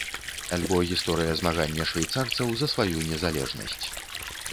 Альбо гісторыя змагання швейцарцаў за сваю незалежнасць.